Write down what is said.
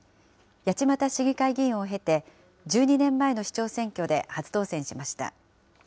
八街市議会議員を経て、１２年前の市長選挙で初当選しました。